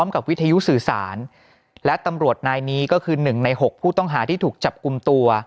กับวิทยุสื่อสารและตำรวจนายนี้ก็คือ๑ใน๖ผู้ต้องหาที่ถูกจับกลุ่มตัว